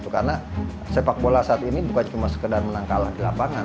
karena sepak bola saat ini bukan cuma sekedar menang kalah di lapangan